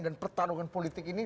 dan pertarungan politik ini